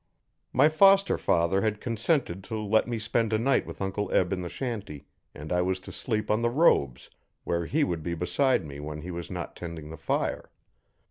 My foster father had consented to let me spend a night with Uncle Eb in the shanty, and I was to sleep on the robes, where he would be beside me when he was not tending the fire.